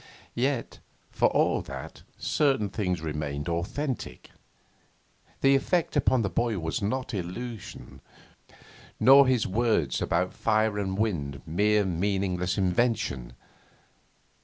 Yet, for all that, certain things remained authentic. The effect upon the boy was not illusion, nor his words about fire and wind mere meaningless invention.